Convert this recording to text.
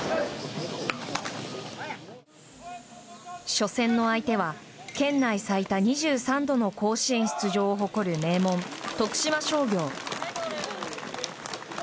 初戦の相手は県内最多２３度の甲子園出場を誇る名門徳島商業。